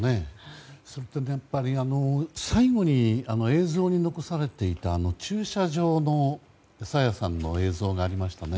それとやはり最後の映像に残されていたあの駐車場の朝芽さんの映像がありましたね。